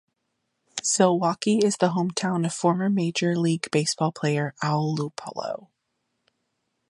Zilwaukee is the hometown of former major league baseball player Al Luplow.